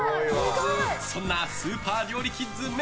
そんなスーパー料理キッズ愛